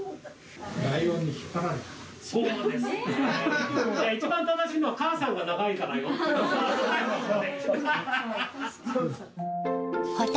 ライオンに引っ張られた。